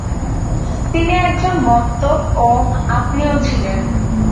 তিনি একজন মদ্যপ এবং আপনিও ছিলেন।